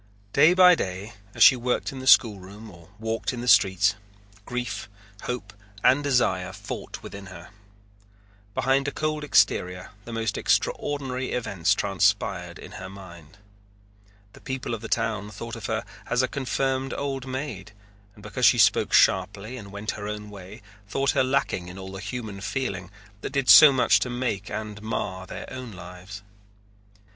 Day by day as she worked in the schoolroom or walked in the streets, grief, hope, and desire fought within her. Behind a cold exterior the most extraordinary events transpired in her mind. The people of the town thought of her as a confirmed old maid and because she spoke sharply and went her own way thought her lacking in all the human feeling that did so much to make and mar their own lives.